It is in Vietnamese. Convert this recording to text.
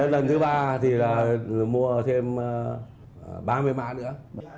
lần thứ ba thì là mua thêm ba mươi mã nữa